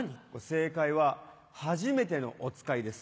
正解は『はじめてのおつかい』です。